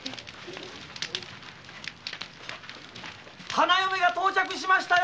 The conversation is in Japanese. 花嫁が到着しましたよ。